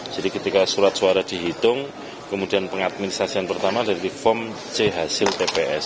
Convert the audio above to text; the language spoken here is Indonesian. jadi ketika surat suara dihitung kemudian pengadministrasian pertama dari form c hasil tps